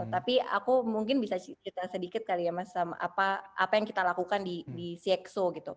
tapi aku mungkin bisa cerita sedikit kali ya mas apa yang kita lakukan di cxo gitu